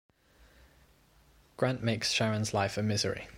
Grant makes Sharon's life a misery.